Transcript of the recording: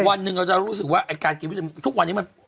วันหนึ่งเราจะรู้สึกว่าทุกวันนี้มัน